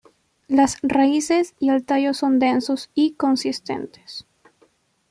Las raíces y el tallo son densos y consistentes.